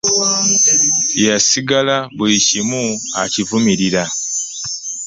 Yasigala buli kimu akivumirira.